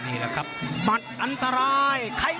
นี่ละครับมันอันตราย